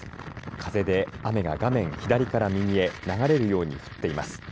風で雨が画面左から右へ流れるように降っています。